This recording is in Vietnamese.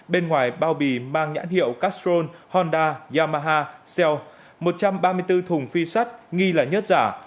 bên ngoài bao bì mang nhãn hiệu castrol honda yamaha sell một trăm ba mươi bốn thùng phi sắt nghi là nhớt giả